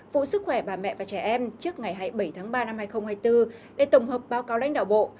vụ sức khỏe bà mẹ và trẻ em trước ngày hai mươi bảy tháng ba năm hai nghìn hai mươi bốn để tổng hợp báo cáo lãnh đạo bộ